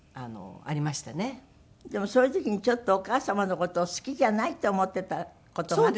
でもそういう時にちょっとお母様の事を好きじゃないと思っていた事があったって。